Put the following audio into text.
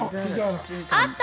あった！